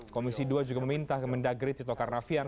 komisi dua juga meminta kementerian dalam negeri tito karnavian